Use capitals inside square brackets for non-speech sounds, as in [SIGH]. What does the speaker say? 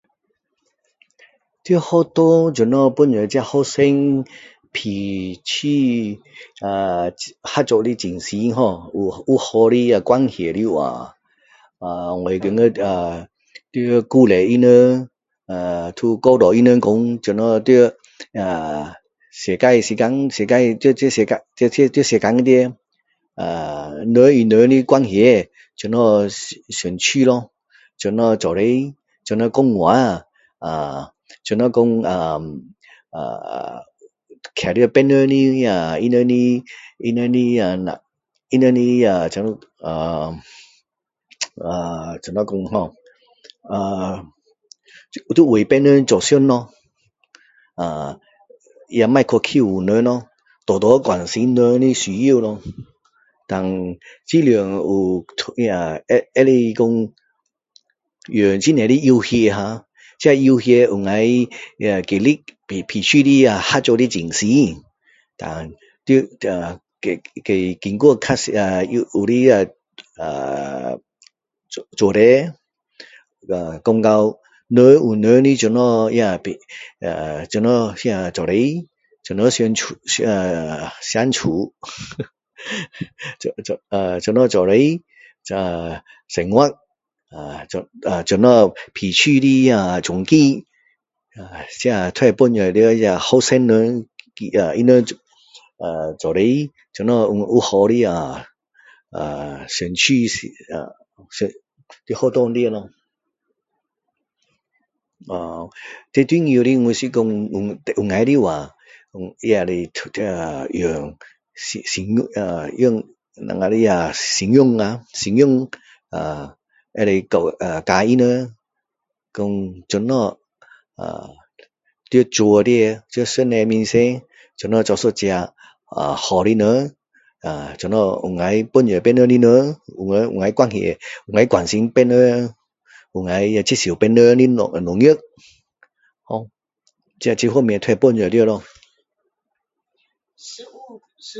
在学校怎么帮助这些学生脾气【erm】合作的精神呵，有好的关系的话啊，我觉得啊，要鼓励他们呃，都教导他们说，怎样在啊，世界时间。 [UNINTELLIGIBLE] 在世界里面啊，人与人的关系怎么相处咯，怎么在一起，怎么说话啊，啊，怎么说啊。站在别人的啊，他们的，他们的啊，他们的啊，怎么说啦，呃，啊，要为别人着想。啊，也不要去欺负人咯，多多关心人的需要咯，和尽量 [UNINTELLIGIBLE] 用很多的游戏啊，这游戏能够激励起彼此那个合作的精神。啊再经过啊，说到人与人如何啊如何在一起啊相处，怎么怎么在一起生活啊，怎么彼此的啊尊敬。这都会帮助那些学生们啊，他们啊在一起，怎么有好的啊相处啊在学校里咯。【erm】最重要的我是说可以的话，也可以用那个用啊我们的身教，可以【erm】可以教他们说怎样【erm】在主里面，在上帝面前怎么做一个【erm】好的人【erm】怎么能够帮助别人的人，能够关系，能够关心别人的人。能够接受别人的软弱呃在这方面都能帮助到咯。